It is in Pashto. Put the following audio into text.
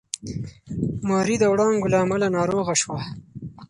ماري د وړانګو له امله ناروغه شوه.